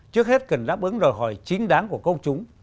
trước hết cần đáp ứng đòi hỏi chính đáng của công chúng